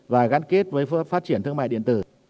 và gắn kết với phát triển thương mại điện tử